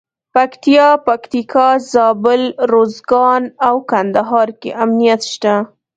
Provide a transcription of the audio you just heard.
پکتیا، پکتیکا، زابل، روزګان او کندهار کې امنیت شته.